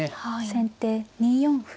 先手２四歩。